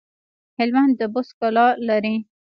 هلمند د بست کلا لري